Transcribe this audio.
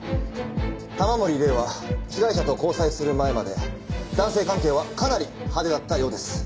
玉森玲は被害者と交際する前まで男性関係はかなり派手だったようです。